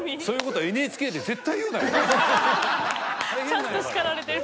［ちゃんと叱られてる］